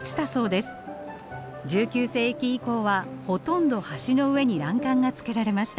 １９世紀以降はほとんど橋の上に欄干がつけられました。